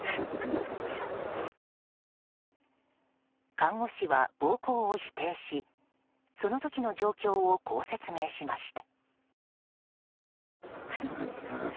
看護師は暴行を否定しその時の状況をこう説明しました。